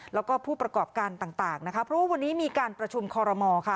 แล้วก็ผู้ประกอบการต่างนะคะเพราะว่าวันนี้มีการประชุมคอรมอลค่ะ